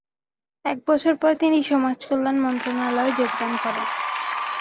এক বছর পর তিনি সমাজকল্যাণ মন্ত্রণালয়ে যোগদান করেন।